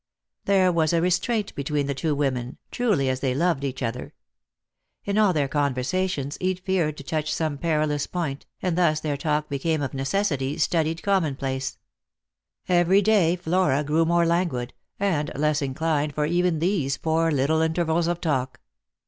There was a restraint between the two women, truly as they loved each other. In all their conversations each feared to touch; 6ome perilous point, and thus their talk became of necsssity 294 Lost for Love. studied commonplace. Every day Flora grew more languid, and less inclined for even these poor little intervals of talk.